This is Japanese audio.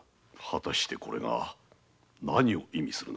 果たしてこれが何を意味するのか。